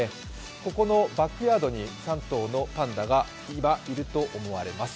ここのバックヤードに３頭のパンダが今いると思われます。